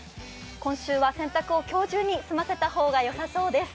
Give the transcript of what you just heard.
今週は洗濯を今日中に済ませた方がよさそうです。